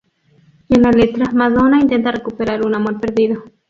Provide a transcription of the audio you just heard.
En la letra, Madonna intenta recuperar un amor perdido.